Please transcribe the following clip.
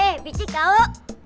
hei bicik tau